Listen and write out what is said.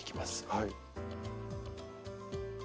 はい。